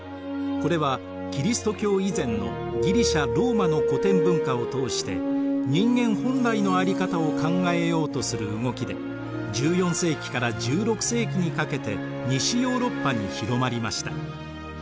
これはキリスト教以前のギリシア・ローマの古典文化を通して人間本来のあり方を考えようとする動きで１４世紀から１６世紀にかけて西ヨーロッパに広まりました。